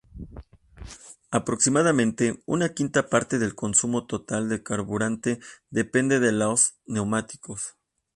Aproximadamente, una quinta parte del consumo total de carburante depende de los neumáticos.